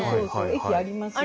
駅ありますよね。